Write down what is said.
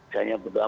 saya hanya berdoa